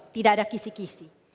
tidak ada kisi kisi